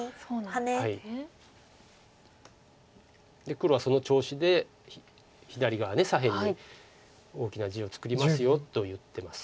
黒はその調子で左側左辺に大きな地を作りますよと言ってます。